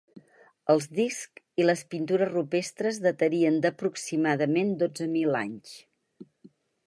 Els discs i les pintures rupestres datarien d'aproximadament dotze mil anys.